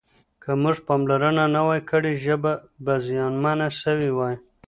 که موږ پاملرنه نه وای کړې ژبه به زیانمنه سوې وای.